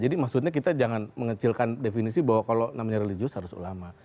jadi maksudnya kita jangan mengecilkan definisi bahwa kalau namanya religius harus ulama